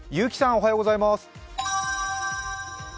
おはようございます。